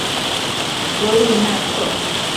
戈利纳克。